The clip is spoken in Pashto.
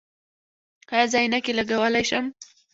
ایا زه عینکې لګولی شم؟